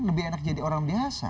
lebih enak jadi orang biasa